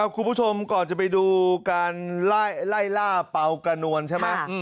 คุณผู้ชมก่อนจะไปดูการไล่ล่าเป่ากระนวลใช่ไหม